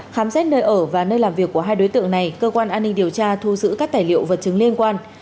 khám xét nơi ở và nơi làm việc của hai đối tượng này cơ quan an ninh điều tra thu giữ các tài liệu vật chứng liên quan